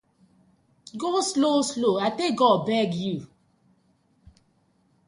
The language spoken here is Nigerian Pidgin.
Go slow slow I tak God name beg yu.